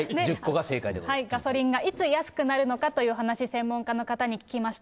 ガソリンがいつ安くなるのかという話、専門家の方に聞きました。